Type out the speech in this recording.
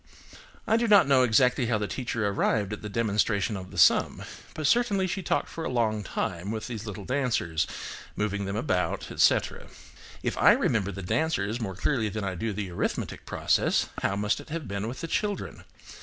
I do not know exactly how the teacher arrived at the demonstration of the sum, but certainly she talked for a long time with these little dancers, moving them about, etc. If I remember the dancers more clearly than I do the arithmetic process, how must it have been with the children?